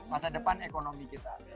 masa depan ekonomi kita